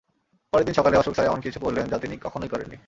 পরের দিন সকালে, অশোক স্যার এমন কিছু করলেন যা তিনি কখনই করেন নি।